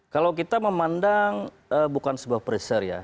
kalau kita memandang bukan sebuah pressure ya